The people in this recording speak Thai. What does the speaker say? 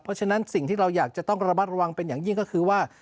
เพราะฉะนั้นสิ่งที่เราอยากจะต้องระมัดระวังเป็นอย่างยิ่งก็คือว่า